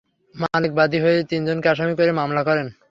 মালেক বাদী হয়ে তিনজনকে আসামি করে মামলা করেন।